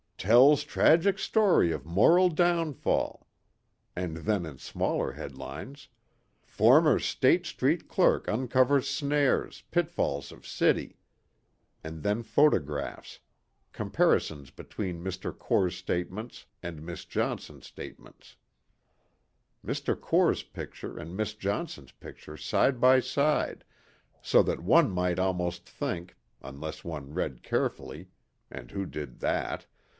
"Tells Tragic Story of Moral Downfall." And then in smaller headlines, "Former State Street Clerk Uncovers Snares, Pitfalls of City." And then photographs; comparisons between Mr. Core's statements and Miss Johnson's statements. Mr. Core's picture and Miss Johnson's picture side by side so that one might almost think, unless one read carefully (and who did that?)